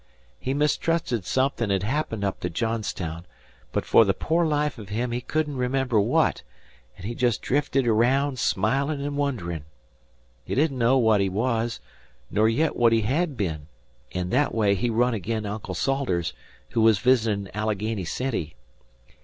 He mistrusted somethin' hed happened up to Johnstown, but for the poor life of him he couldn't remember what, an' he jest drifted araound smilin' an' wonderin'. He didn't know what he was, nor yit what he hed bin, an' thet way he run agin Uncle Salters, who was visitin' 'n Allegheny City.